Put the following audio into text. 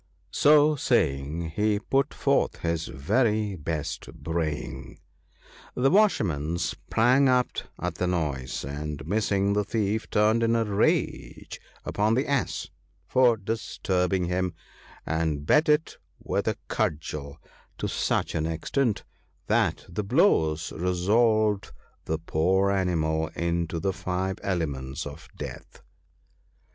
" So saying, he put forth his very best braying. The Washerman sprang up at the noise, and missing the thief, turned in a rage upon the Ass for disturbing him, and beat it with a cudgel to such an extent that the blows resolved the poor animal into the five elements of death.